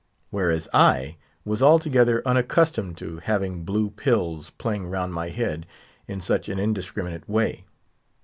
Whereas, I was altogether unaccustomed to having blue pills playing round my head in such an indiscriminate way.